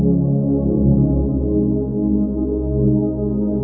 สวัสดีทุกคน